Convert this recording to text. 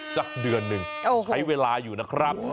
สักเดือนหนึ่งใช้เวลาอยู่นะครับ